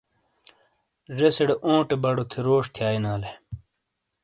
ذیسیڑےاونٹے بَڑو تھے روش تھیئا یینالے۔